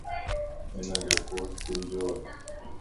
ھنجو ڪوٽ ڪنجووَ